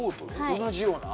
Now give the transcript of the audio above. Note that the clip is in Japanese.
同じような？